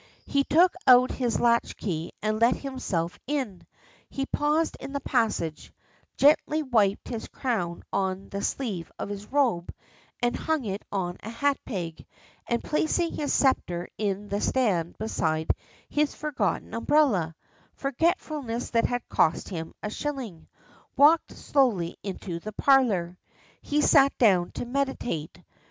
He took out his latch key and let himself in; he paused in the passage, gently wiped his crown on the sleeve of his robe, and hung it on a hat peg, and, placing his sceptre in the stand beside his forgotten umbrella forgetfulness that had cost him a shilling walked slowly into the parlour. He sat down to meditate.